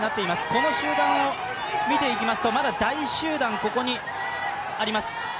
この集団を見ていきますと、まだ大集団、ここにあります。